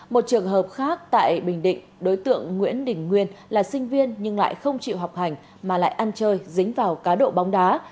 một trường hợp khác tại bình định đối tượng nguyễn đình nguyên là sinh viên nhưng lại không chịu học hành mà lại ăn chơi dính vào cá độ bóng đá